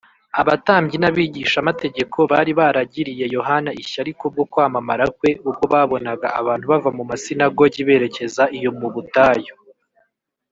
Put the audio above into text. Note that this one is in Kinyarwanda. Abatambyi n’abigishamategeko bari baragiriye Yohana ishyari kubwo kwamamara kwe ubwo babonaga abantu bava mu masinagogi berekeza iyo mu butayu